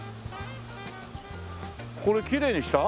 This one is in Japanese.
これきれいにした？